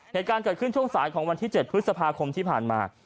เหตุการณ์เกิดขึ้นช่วงสายของวันที่๗พฤษภาคมที่ผ่านมา